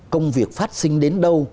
công việc phát sinh đến đâu